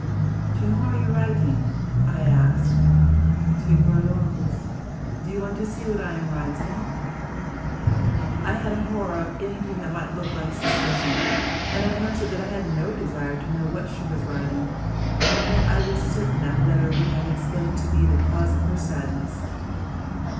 "To whom are you writing?" I asked. "To Prudence. Do you want to see what I am writing?" I had a horror of anything that might look like suspicion, and I answered that I had no desire to know what she was writing; and yet I was certain that letter would have explained to me the cause of her sadness.